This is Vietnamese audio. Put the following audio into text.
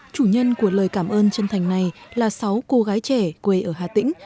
chủ nhân của lời cảm ơn chân thành này là sáu cô gái trẻ quê ở hà tĩnh